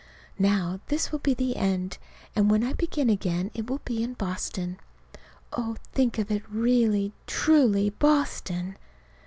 Now this will be the end. And when I begin again it will be in Boston. Only think of it really, truly Boston!